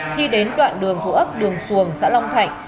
khi đến đoạn đường thủ ấp đường xuồng xã long thạnh